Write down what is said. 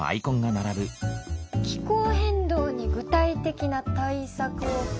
「気候変動に具体的な対策を」。